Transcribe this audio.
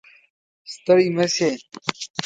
ستړې مه شې